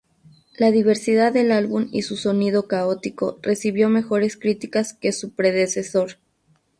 La diversidad del álbum y su sonido caótico recibió mejores críticas que su predecesor.